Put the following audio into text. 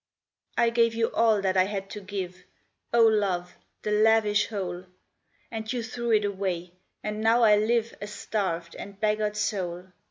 I gave you all that I had to give, O love, the lavish whole. And you threw it away, and now I live A starved and beggared soul.